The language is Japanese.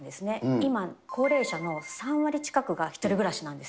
今、高齢者の３割近くが１人暮らしなんです。